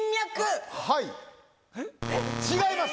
はい違います。